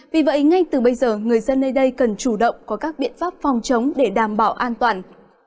vì vậy ngay từ bây giờ người dân nơi đây cần chủ động có các biện pháp phòng chống để đảm bảo an toàn